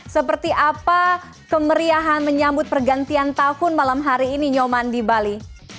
seperti apa kemeriahan menyambut pergantian tahun malam hari ini nyoman di bali